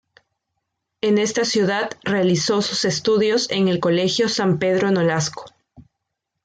En esta ciudad realizó sus estudios en el Colegio San Pedro Nolasco.